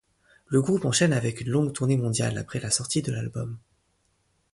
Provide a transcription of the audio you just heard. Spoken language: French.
Le groupe enchaîne avec une longue tournée mondiale après la sortie de l'album.